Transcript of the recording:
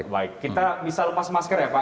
baik kita bisa lepas masker ya pak